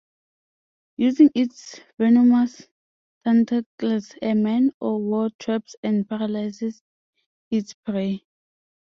Using its venomous tentacles, a man o' war traps and paralyzes its prey.